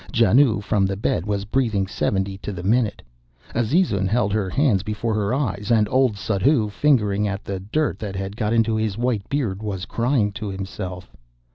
Janoo from the bed was breathing seventy to the minute; Azizun held her hands before her eyes; and old Suddhoo, fingering at the dirt that had got into his white beard, was crying to himself.